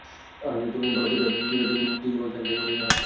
বেলা দেড়টার দিকে দুই যুবক তাঁকে ঢাকা মেডিকেল কলেজ হাসপাতালে নিয়ে আসেন।